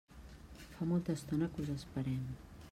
Fa molta estona que us esperem.